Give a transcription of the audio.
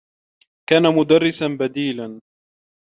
كان مدرّسا بديلا.